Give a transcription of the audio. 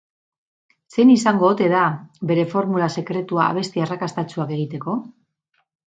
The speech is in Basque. Zein izango ote da bere formula sekretua abesti arrakastatsuak egiteko?